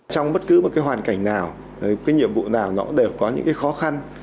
trong bất cứ hoàn cảnh nào nhiệm vụ nào nó đều có những khó khăn